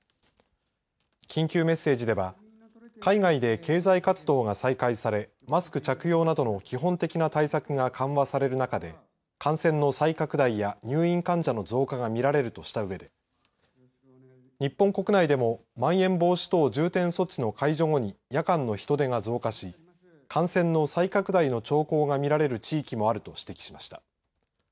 緊急メッセージでは海外で経済活動が再開されマスク着用などの基本的な対策が緩和される中で感染の再拡大や入院患者の増加が見られるとした上で日本国内でもまん延防止等重点措置の解除後に夜間の人出が増加し感染の再拡大と兆候が見られる地域もあると指摘しました。